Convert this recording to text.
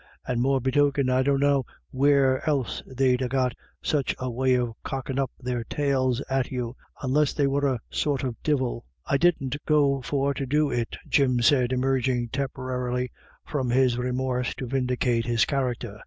And, morebetoken, I dunno where else they'd ha* got such a way of cockin' up their tails at you, onless they were a sort of divil." " I didn't go for to do it !" Jim said, emerging temporarily . from his remorse to vindicate his character.